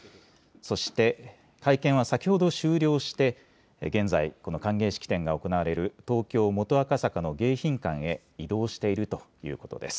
そして会見は先ほど終了して現在、この歓迎式典が行われる東京元赤坂の迎賓館へ移動しているということです。